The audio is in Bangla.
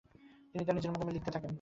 তিনি তার নিজের মাধ্যমে লিখতে থাকেন।